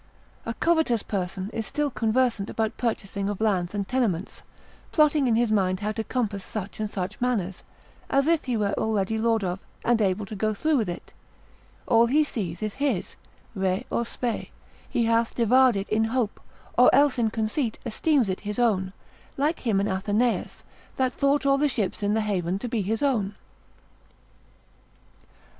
A covetous person is still conversant about purchasing of lands and tenements, plotting in his mind how to compass such and such manors, as if he were already lord of, and able to go through with it; all he sees is his, re or spe, he hath devoured it in hope, or else in conceit esteems it his own: like him in Athenaeus, that thought all the ships in the haven to be his own.